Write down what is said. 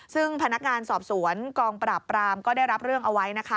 ซึ่งพนักงานสอบสวนกองปราบปรามก็ได้รับเรื่องเอาไว้นะคะ